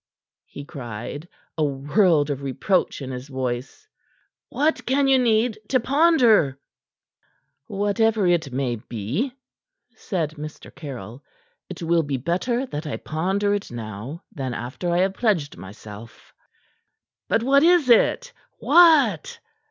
he cried, a world of reproach in his voice. "What can you need to ponder?" "Whatever it may be," said Mr. Caryll, "it will be better that I ponder it now than after I have pledged myself." "But what is it? What?"